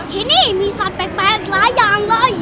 ที่นี่มีสัตว์แปลกหลายอย่างเลย